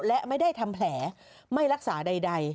และไม่ได้ทำแผลไม่รักษาใด